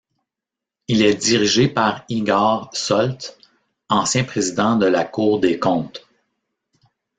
Il est dirigé par Igor Šoltes, ancien président de la Cour des comptes.